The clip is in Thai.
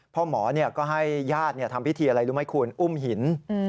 พ่อหมอก็ให้ญาติทำพิธีอะไรรู้ไหมคุณอุ้มหิน